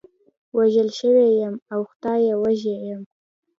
وژل شوی یم، اوه خدایه، وږی یم.